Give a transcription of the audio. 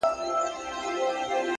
بيا دې په سجده کي په ژړا وينم!!